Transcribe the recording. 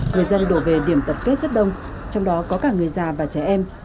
người dân đổ về điểm tập kết rất đông trong đó có cả người già và trẻ em